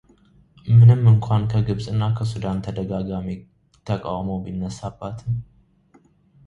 ምንም እንኳን ከግብፅና ከሱዳን ተደጋጋሚ ተቃውሞ ቢነሳባትም